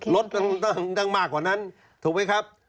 รถตั้งมากกว่านั้นถูกไหมครับ